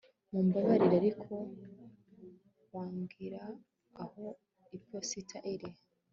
mumbabarire, ariko wambwira aho iposita iri